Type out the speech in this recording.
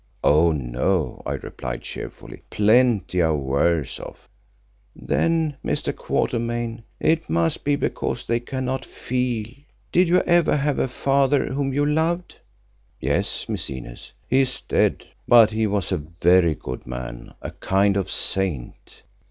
"Oh! no," I replied cheerfully, "plenty are worse off." "Then, Mr. Quatermain, it must be because they cannot feel. Did you ever have a father whom you loved?" "Yes, Miss Inez. He is dead, but he was a very good man, a kind of saint.